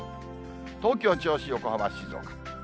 東京、銚子、横浜、静岡。